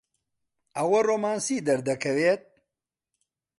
ئەوە ڕۆمانسی دەردەکەوێت؟